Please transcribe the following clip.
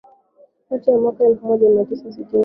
kati ya mwaka elfu moja mia tisa sitini na tatu